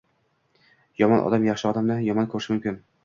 Yomon odam yaxshi odamni yomon ko‘rishi mumkin.